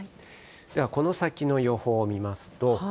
ではこの先の予報見ますと。